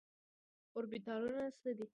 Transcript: اوربيتالونه څه دي ؟